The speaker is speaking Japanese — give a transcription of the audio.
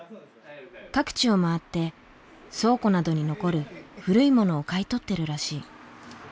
各地を回って倉庫などに残る古いものを買い取ってるらしい。